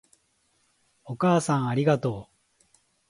お母さんありがとう